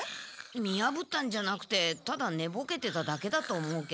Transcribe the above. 見やぶったんじゃなくてただねぼけてただけだと思うけど。